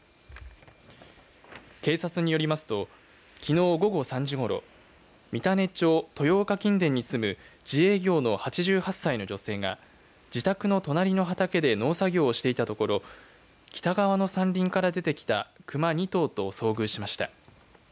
警察によりますときのう午後３時ごろ三種町豊岡金田に住む自営業の８８歳の女性が自宅の隣の畑で農作業をしていたところ北側の山林から出てきたクマ２頭と遭遇しました。